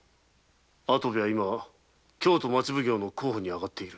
跡部は今京都町奉行の候補にあがっている。